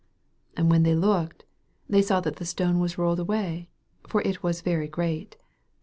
4 And when they looked, they saw that the stone was rolled away : for it was very great.